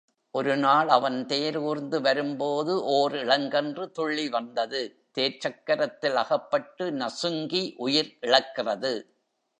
ஒருநாள் அவன் தேர் ஊர்ந்து வரும்போது ஓர் இளங்கன்று துள்ளி வந்தது தேர்ச்சக்கரத்தில் அகப்பட்டு நசுங்கி உயிர் இழக்கிறது.